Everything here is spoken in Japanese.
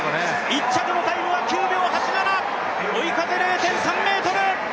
１着のタイムは９秒８７、追い風０．３ｍ。